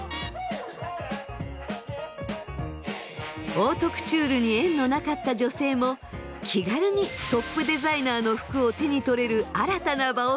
オートクチュールに縁のなかった女性も気軽にトップデザイナーの服を手に取れる新たな場を作ったのです。